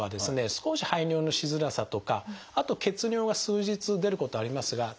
少し排尿のしづらさとかあと血尿が数日出ることはありますが大抵はすぐ治まります。